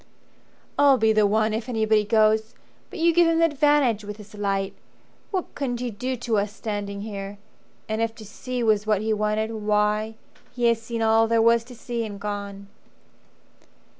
"I'll be the one, if anybody goes! But you give him the advantage with this light. What couldn't he do to us standing here! And if to see was what he wanted, why He has seen all there was to see and gone."